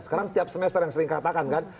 sekarang tiap semester yang sering katakan kan